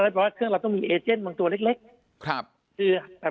เราได้บอกว่าเครื่องเราต้องมีบางตัวเล็กครับคือแบบ